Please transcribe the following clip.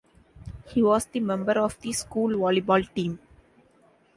He was the member of the school volleyball team.